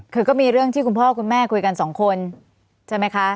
คือก็มีเรื่องที่คุณพ่อคุณแม่คุยกันสองคนใช่ไหมคะ